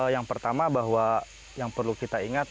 yang pertama bahwa yang perlu kita ingat